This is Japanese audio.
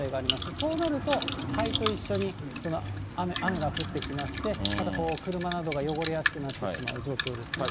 そうなると、灰と一緒に雨が降ってきまして、また車などが汚れやすくなってしまう状況ですね。